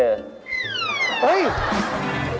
อังกฤษ